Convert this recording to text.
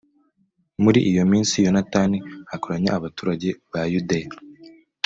muri iyo minsi, yonatani akoranya abaturage ba yudeya